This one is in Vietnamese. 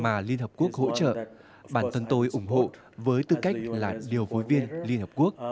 mà liên hợp quốc hỗ trợ bản thân tôi ủng hộ với tư cách là điều phối viên liên hợp quốc